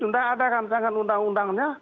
sudah ada rancangan undang undangnya